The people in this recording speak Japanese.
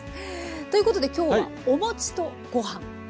ということで今日はお餅とご飯ですね？